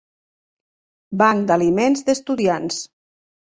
Banc d'Aliments d'Estudiants.